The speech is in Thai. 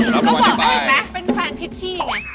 ก็บอกอะไรไหมเป็นแฟนพิชชี่ไง